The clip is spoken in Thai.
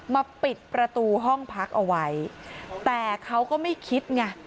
ปิดประตูห้องพักเอาไว้แต่เขาก็ไม่คิดไง